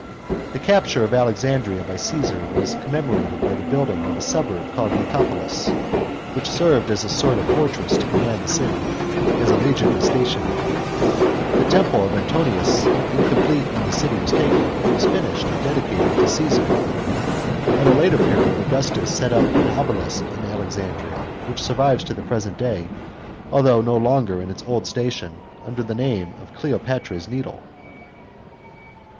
The capture of Alexandria by Csesar was commemorated by the bmldin'j; of a suburb called Nicopolis, which served as a sort of fortress to command the city, as a legion was stationed there. The temple of Antonius, incomplete when the city was taken, was finished and dedicated to Cassar. At a later period Augustus set up an obelisk in Alexandria, which survives to the present day, although no longer in its old station, f under the name of Cleopatra's needle.